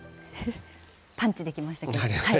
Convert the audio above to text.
パンチで来ましたけど。